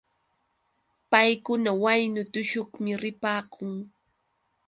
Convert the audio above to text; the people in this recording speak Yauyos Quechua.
Paykuna waynu tushuqmi ripaakun.